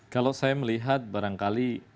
kalau saya melihat barangkali